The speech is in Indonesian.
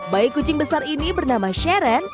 bayi kucing besar ini bernama sharon